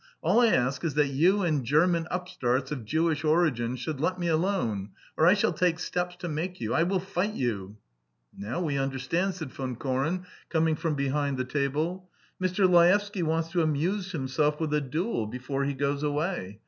All I ask is that you and German upstarts of Jewish origin should let me alone! Or I shall take steps to make you! I will fight you!" "Now we understand," said Von Koren, coming from behind the table. "Mr. Laevsky wants to amuse himself with a duel before he goes away.